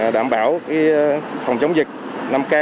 đảm bảo phòng chống dịch năm k